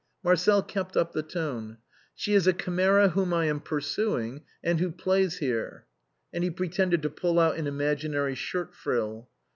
Marcel kept up the joke. " She is a chimera whom I am pursuing, and who plays here." And he pretended to pull out an imaginary shirt frill.